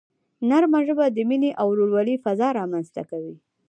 نرمه ژبه د مینې او ورورولۍ فضا رامنځته کوي.